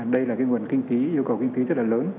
đây là cái nguồn kinh tí nhu cầu kinh tí rất là lớn